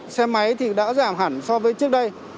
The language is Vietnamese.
xe máy thì đã giảm hẳn so với trước đây